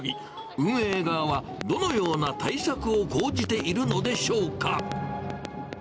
運営側は、どのような対策を講じているのでしょうか。